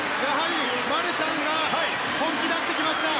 マルシャンが本気を出してきました。